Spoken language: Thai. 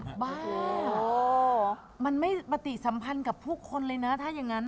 บ้ามันไม่ปฏิสัมพันธ์กับผู้คนเลยนะถ้าอย่างนั้น